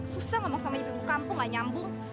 susah ngomong sama ibu ibu kampung gak nyambung